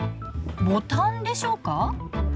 ボタンでしょうか？